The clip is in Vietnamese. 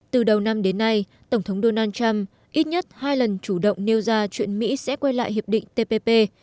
từ đầu năm đến nay tổng thống donald trump ít nhất hai lần chủ động nêu ra chuyện mỹ sẽ quay lại hiệp định tpp